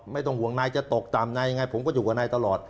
ไม่ต้องห่วงนายจะตกต่ำนายยังไงผมก็อยู่กับนายตลอด